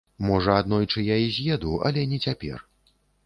Можа, аднойчы я і з'еду, але не цяпер.